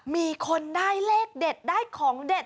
มีคนได้เลขเด็ดได้ของเด็ด